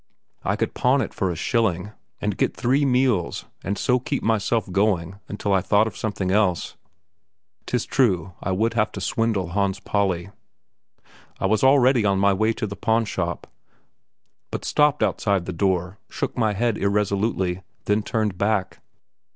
I could pawn it for a shilling, and get three full meals, and so keep myself going until I thought of something else. 'Tis true I would have to swindle Hans Pauli. I was already on my way to the pawn shop, but stopped outside the door, shook my head irresolutely, then turned back.